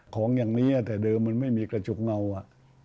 ของอย่างนี้แต่เดิมมันไม่มีกระจุกเงาอ่ะ